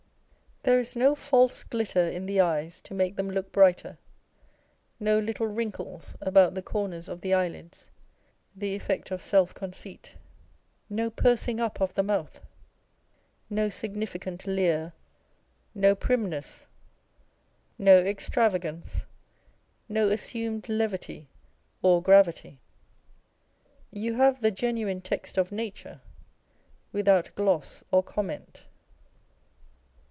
There is no false glitter in the eyes to make them look brighter ; no little wrinkles about the corners of the eyelids, the effect of self conceit ; no pursing up of the mouth, no significant leer, no primness, no extravagance, no assumed levity or gravity. You have the genuine text of nature without gloss or comment.